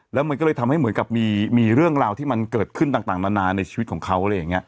แล้วมันก็เลยทำให้เหมือนกับมีเรื่องราวที่มันเกิดขึ้นต่างนานาในชีวิตของเขาอะไรอย่างนี้